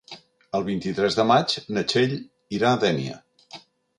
El vint-i-tres de maig na Txell irà a Dénia.